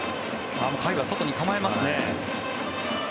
甲斐は外に構えますね。